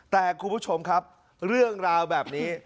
แต่คุณผู้ชมครับเรื่องราวแบบนี้